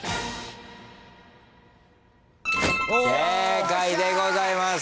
正解でございます。